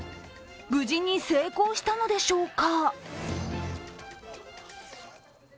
無事に成功したのでしょうか。